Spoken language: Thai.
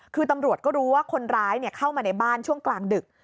คือตำรวจก็รู้ว่าคนร้ายเข้ามาในบ้านช่วงกลางดึก